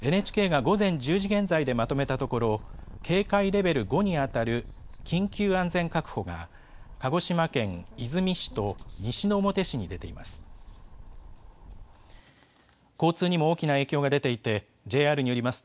ＮＨＫが午前１０時現在でまとめたところ、警戒レベル５に当たる緊急安全確保が、鹿児島県出水市と西之表市に出ています。